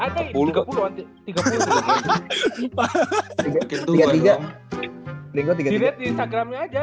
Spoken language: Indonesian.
diliat di instagramnya aja